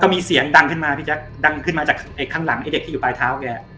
มีเสียงดังขึ้นมาจากข้างหลังเด็กที่อยู่ปลายเท้าแก